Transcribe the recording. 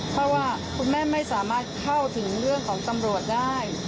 เพราะว่าคุณแม่ไม่สามารถเข้าถึงเรื่องของตำรวจได้